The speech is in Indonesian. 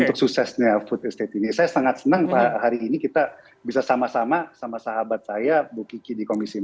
untuk suksesnya food estate ini saya sangat senang pak hari ini kita bisa sama sama sama sahabat saya bu kiki di komisi lima